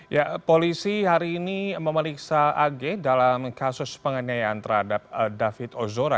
ya polisi hari ini memeriksa ag dalam kasus penganiayaan terhadap david ozora